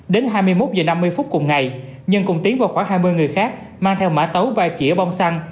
đến hai mươi một h năm mươi phút cùng ngày nhân cùng tiến vào khoảng hai mươi người khác mang theo mã tấu và chỉa bông xăng